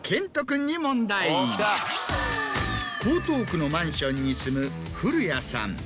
江東区のマンションに住む古家さん。